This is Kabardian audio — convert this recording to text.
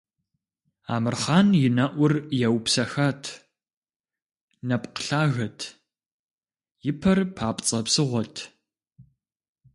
Амырхъан и нэӀур еупсэхат, нэпкъ лъагэт, и пэр папцӀэ псыгъуэт.